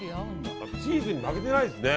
チーズにも負けてないですね。